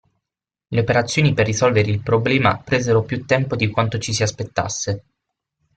Le operazioni per risolvere il problema presero più tempo di quanto ci si aspettasse.